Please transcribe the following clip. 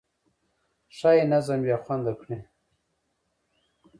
ښایي نظم بې خونده کړي.